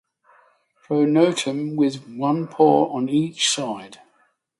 Pronotum with one pore on each side.